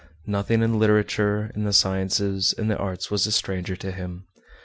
Nothing in literature, in the sciences, in the arts, was a stranger to him.